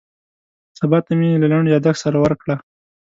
سبا ته مې له لنډ یاداښت سره ورکړه.